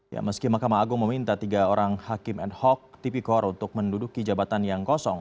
ya meski mahkamah agung meminta tiga orang hakim ad hoc tipikor untuk menduduki jabatan yang kosong